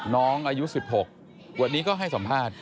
น้องอายุ๑๖วันนี้ก็ให้สัมภาษณ์